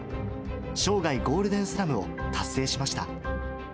生涯ゴールデンスラムを達成しました。